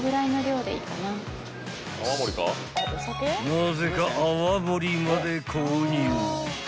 ［なぜか泡盛まで購入］